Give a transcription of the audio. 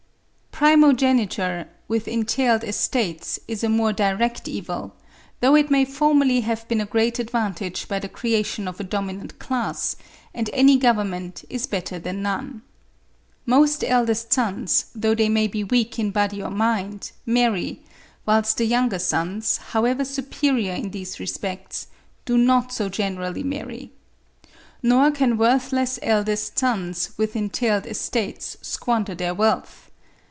Primogeniture with entailed estates is a more direct evil, though it may formerly have been a great advantage by the creation of a dominant class, and any government is better than none. Most eldest sons, though they may be weak in body or mind, marry, whilst the younger sons, however superior in these respects, do not so generally marry. Nor can worthless eldest sons with entailed estates squander their wealth.